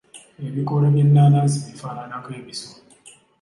Ebikoola by’ennaanansi bifaananako ebiso.